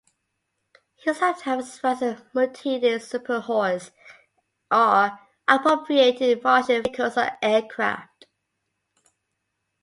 He sometimes rides a mutated serpent-horse, or appropriated Martian vehicles and aircraft.